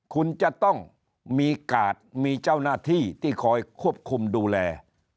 คุณจะต้องมีกาดมีเจ้าหน้าที่ที่คอยควบคุมดูแล